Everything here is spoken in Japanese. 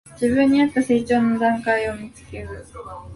自分にあった成長の階段を見つける